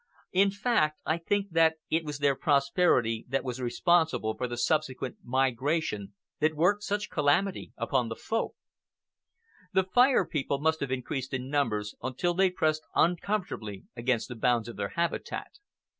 In fact, I think it was their prosperity that was responsible for the subsequent migration that worked such calamity upon the Folk. The Fire People must have increased in numbers until they pressed uncomfortably against the bounds of their habitat.